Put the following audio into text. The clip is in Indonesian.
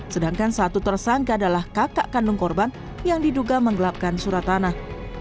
sedangkan satu tersangka adalah kakak kandung korban yang diduga menggelapkan surat tanah